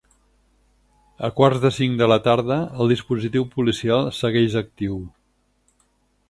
A quarts de cinc de la tarda el dispositiu policial segueix actiu.